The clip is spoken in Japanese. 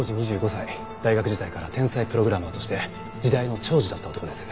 大学時代から天才プログラマーとして時代の寵児だった男です。